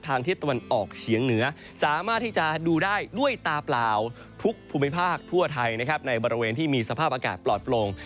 ทิศตะวันออกเฉียงเหนือสามารถที่จะดูได้ด้วยตาเปล่าทุกภูมิภาคทั่วไทยนะครับในบริเวณที่มีสภาพอากาศปลอดโปร่ง